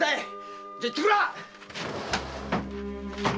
じゃ行ってくらあ！